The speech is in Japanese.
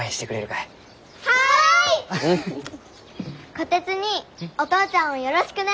虎鉄にいお父ちゃんをよろしくね。